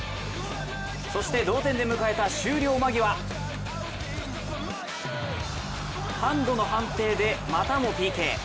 そして同点で迎えた終了間際、ハンドの判定でまたもＰＫ。